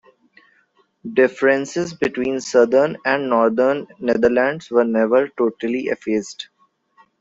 Differences between Southern and Northern Netherlands were never totally effaced.